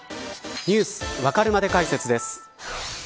Ｎｅｗｓわかるまで解説です。